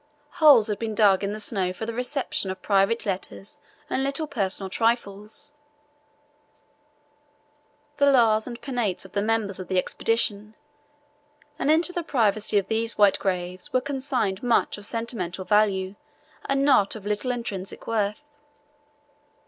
Holes had been dug in the snow for the reception of private letters and little personal trifles, the Lares and Penates of the members of the Expedition, and into the privacy of these white graves were consigned much of sentimental value and not a little of intrinsic worth.